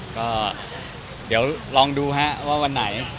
ก็เดี๋ยวลองดูฮะว่าวันไหน